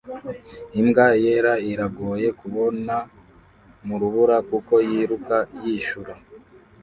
Imbwa yera iragoye kubona mu rubura kuko yiruka yishura